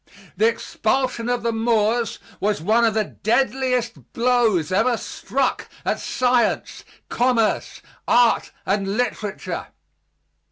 The expulsion of the Moors was one of the deadliest blows ever struck at science, commerce, art and literature.